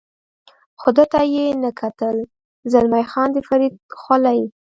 خو ده ته یې نه کتل، زلمی خان د فرید خولۍ.